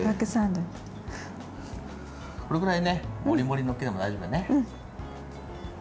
このぐらいもりもり載っけても大丈夫だね。